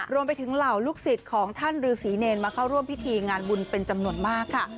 เหล่าลูกศิษย์ของท่านฤษีเนรมาเข้าร่วมพิธีงานบุญเป็นจำนวนมากค่ะ